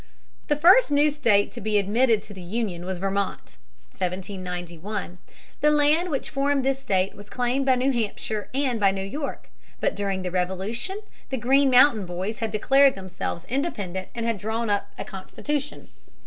The first new state to be admitted to the Union was Vermont (1791). The land which formed this state was claimed by New Hampshire and by New York. But during the Revolution the Green Mountain Boys had declared themselves independent and had drawn up a constitution.